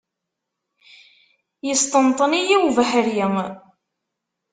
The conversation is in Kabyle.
Yesṭenṭen-iyi ubeḥri.